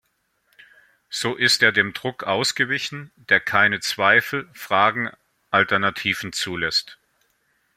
So ist er dem Druck ausgewichen, der keine Zweifel, Fragen, Alternativen zulässt.